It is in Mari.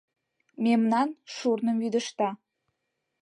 Мемнан шурным вӱдыжта